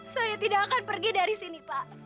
saya tidak akan pergi dari sini pak